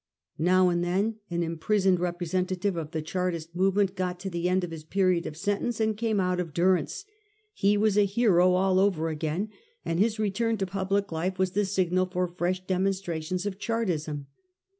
Now and then an imprisoned representative of the Chartist movement got to the end of his period of sentence, and came out of durance. He was a hero all over again, and his return to public life was the signal for fresh demonstrations of Chartism.